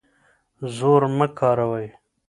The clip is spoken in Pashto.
زور مه کاروئ.